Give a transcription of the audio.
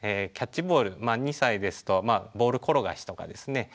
キャッチボール２歳ですとボール転がしとかですね